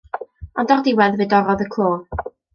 Ond o'r diwedd fe dorrodd y clo.